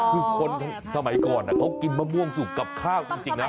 คือคนสมัยก่อนเขากินมะม่วงสุกกับข้าวจริงนะ